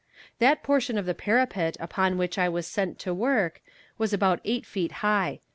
That portion of the parapet upon which I was sent to work was about eight feet high.